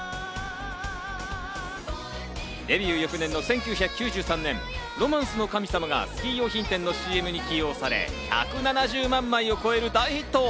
デビュー翌年の９３年『ロマンスの神様』がスキー用品店のＣＭに起用され、１７０万枚を超える大ヒット。